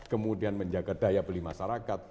kemudian menjaga daya beli masyarakat